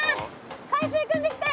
海水くんできたよ。